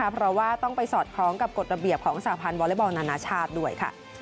เพราะว่าต้องไปสอดคล้องกับกฎระเบียบของสหพันธ์วอเล็กบอลนานาชาติด้วย